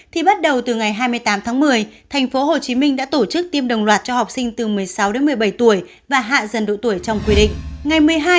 thì bắt đầu từ ngày hai mươi tám tháng một mươi tp hcm đã tổ chức tiêm đồng loạt cho học sinh từ một mươi sáu đến một mươi bảy tuổi và hạ dần độ tuổi trong quy định